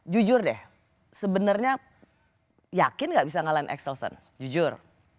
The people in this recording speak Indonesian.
jujur deh sebenarnya yakin gak bisa ngalahin excelson jujur